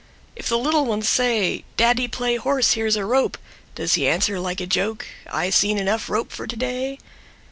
If the little Ones say, Daddy, play horse, here's A rope does he answer like a joke: I seen enough rope for today?